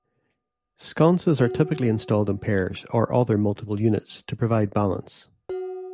Sconces are typically installed in pairs or other multiple units to provide balance.